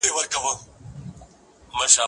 زه اجازه لرم چي ليکنه وکړم!؟